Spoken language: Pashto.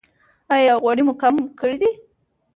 ایا غوړي مو کم کړي دي؟